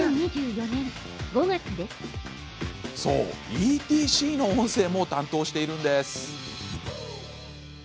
ＥＴＣの音声も担当しているんです。